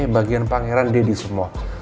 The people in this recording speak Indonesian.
bagian pangeran daddy semua